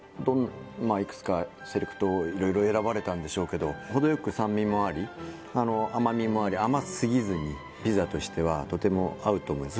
まあいくつかセレクト色々選ばれたんでしょうけど程よく酸味もあり甘味もあり甘すぎずにピザとしてはとても合うと思います